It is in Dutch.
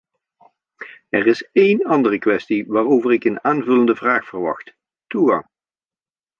Er is één andere kwestie waarover ik een aanvullende vraag verwacht: toegang.